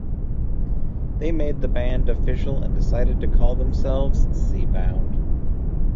They made the band official and decided to call themselves Seabound.